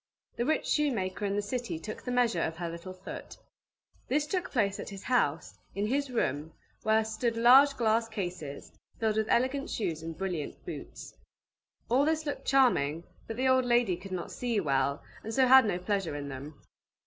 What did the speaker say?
The rich shoemaker in the city took the measure of her little foot. This took place at his house, in his room; where stood large glass cases, filled with elegant shoes and brilliant boots. All this looked charming, but the old lady could not see well, and so had no pleasure in them.